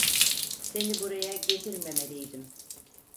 Seni buraya getirmemeliydim.